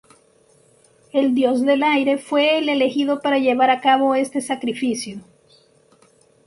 El dios del aire fue el elegido para llevar a cabo este sacrificio.